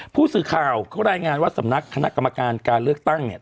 ผู้สื่อข่าวเขารายงานว่าสำนักคณะกรรมการการเลือกตั้งเนี่ย